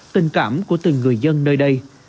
tình cảm của từng người dân nơi đây